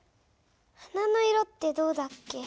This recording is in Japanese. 花の色ってどうだっけ？